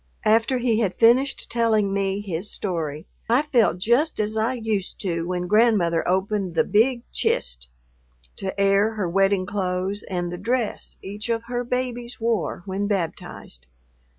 After he had finished telling me his story, I felt just as I used to when Grandmother opened the "big chist" to air her wedding clothes and the dress each of her babies wore when baptized.